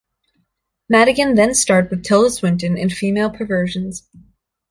Madigan then starred with Tilda Swinton in "Female Perversions".